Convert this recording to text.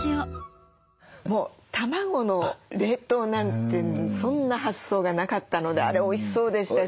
もう卵の冷凍なんてそんな発想がなかったのであれおいしそうでしたし。